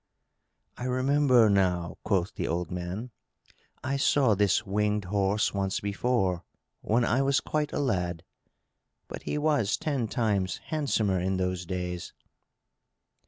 "I remember now," quoth the old man, "I saw this winged horse once before, when I was quite a lad. But he was ten times handsomer in those days."